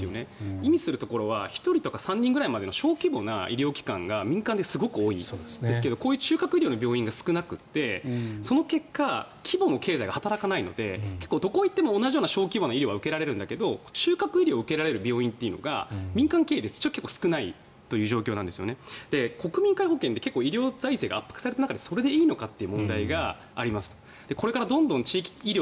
意味するところは１人とか３人の小規模民間病院がすごく多くてこういう中核医療の病院が少なくてその結果規模の経済が働かなくてどこに行っても同じような小規模の医療は受けられるんだけど中核医療を受けられる病院というのが民間経営では少ないという状況で国民皆保険で医療財政が圧迫された中でそれでいいのかという問題があります。